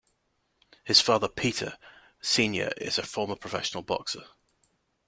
His father Peter, Senior is a former professional boxer.